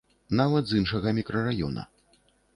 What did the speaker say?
Нават з іншага мікрараёна.